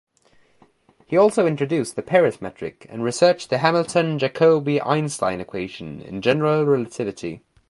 He also introduced the Peres metric and researched the Hamilton-Jacobi-Einstein equation in general relativity.